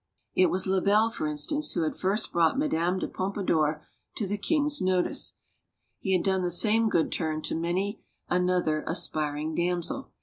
It was Lebel, for instance, who had first brought Madame d': Pompadour to the king's notice. He had done the same good turn to many another aspiring damsel.